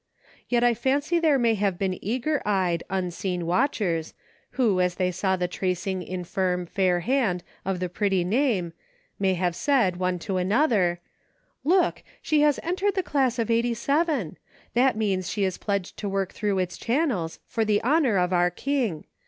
Yet I fancy there may have been eager eyed, unseen watchers, who as they saw the tracing in firm fair hand of the pretty name, may have said, one to another : 286 A GREAT MANY "LITTLE THINGS." " Look ! she has entered the class of Eighty seven ! That means she is pledged to work through its channels, for the honor of our King.